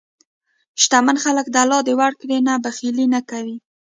شتمن خلک د الله د ورکړې نه بخیلي نه کوي.